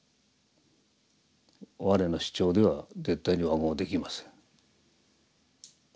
我の主張では絶対に和合できません。